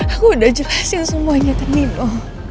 aku udah jelasin semuanya ke nino